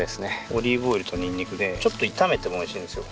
オリーブオイルとニンニクでちょっと炒めても美味しいんですよ。